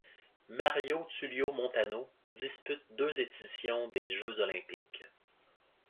Mario Tullio Montano dispute deux éditions des Jeux olympiques.